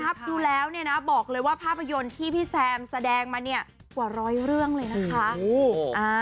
ดูแล้วเนี่ยนะบอกเลยว่าภาพยนตร์ที่พี่แซมแสดงมาเนี่ยกว่าร้อยเรื่องเลยนะคะ